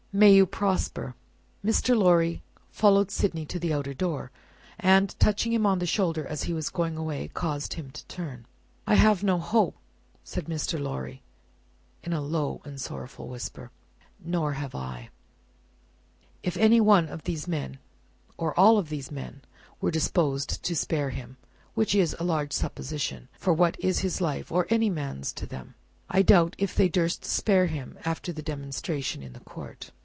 "May you prosper!" Mr. Lorry followed Sydney to the outer door, and, touching him on the shoulder as he was going away, caused him to turn. "I have no hope," said Mr. Lorry, in a low and sorrowful whisper. "Nor have I." "If any one of these men, or all of these men, were disposed to spare him which is a large supposition; for what is his life, or any man's to them! I doubt if they durst spare him after the demonstration in the court."